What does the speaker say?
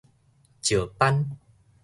石斑